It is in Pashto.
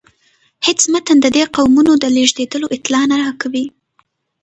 هیڅ متن د دې قومونو د لیږدیدلو اطلاع نه راکوي.